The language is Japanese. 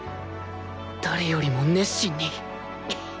誰よりも熱心に